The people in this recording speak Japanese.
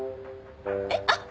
えっ？あっ！